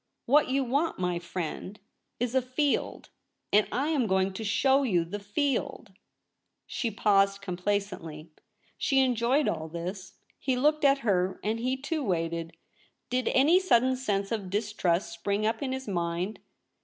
What you want, my friend, LITER A SCRIPT A. 233 is a field, and I am going to show you the field; She paused complacently. She enjoyed all this. He looked at her, and he too waited. Did any sudden sense of distrust spring up in his mind